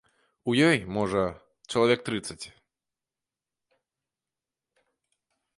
У ёй, можа, чалавек трыццаць.